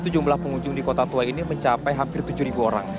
jumlah pengunjung di kota tua ini mencapai hampir tujuh orang